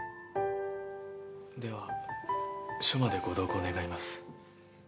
では署までご同行願います。